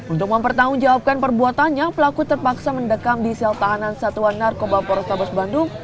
untuk mempertanggungjawabkan perbuatannya pelaku terpaksa mendekam di sel tahanan satuan narkoba polrestabes bandung